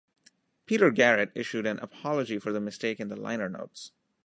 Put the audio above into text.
Peter Garrett issued an apology for the mistake in the liner notes.